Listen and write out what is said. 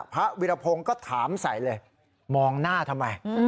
พระวิรพงศ์ก็ถามใส่เลยมองหน้าทำไม